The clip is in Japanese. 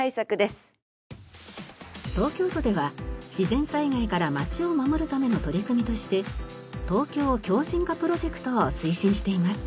東京都では自然災害から街を守るための取り組みとしてＴＯＫＹＯ強靱化プロジェクトを推進しています。